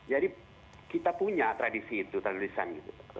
jadi kita punya tradisi itu tradisi lisan gitu